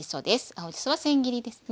青じそはせん切りですね。